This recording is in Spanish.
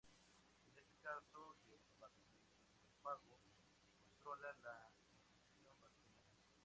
En este caso, el bacteriófago controla la infección bacteriana.